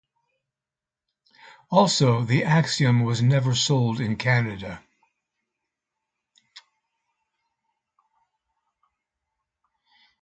Also, the Axiom was never sold in Canada.